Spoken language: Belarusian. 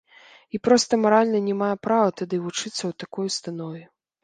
І проста маральна не мае права тады вучыцца ў такой установе.